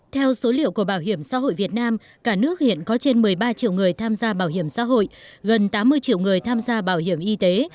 theo số liệu của bảo hiểm xã hội việt nam cả nước hiện có trên một mươi ba triệu người tham gia bảo hiểm xã hội gần tám mươi triệu người tham gia bảo hiểm y tế